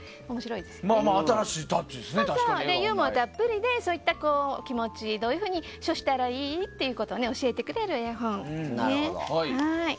ユーモアたっぷりでそういう気持ちをどういうふうに処したらいいということを教えてくれる絵本です。